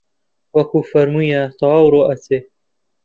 وەکوو فەرموویە تەواو ڕوو ئەچێ